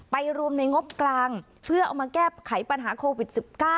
รวมในงบกลางเพื่อเอามาแก้ไขปัญหาโควิด๑๙